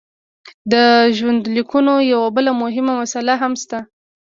د ژوندلیکونو یوه بله مهمه مساله هم شته.